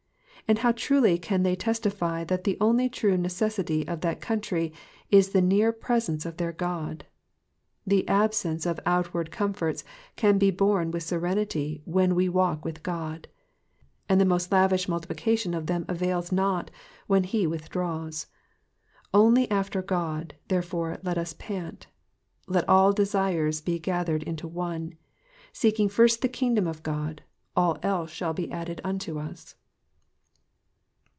and how truly can they testify that the only true necessity of that country is the near presence of their God ! The absence of outward comforts can be borne with serenity when we walk with God ; and the most lavish multiplication of them avails not when he with draws. Only after God, therefore, let us pant. Let all desires be gathered into one. Seeking first the kingdom of God — all else shall be added unto us.